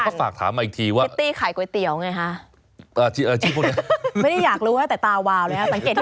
เพราะคุณชนะเขาอ่าน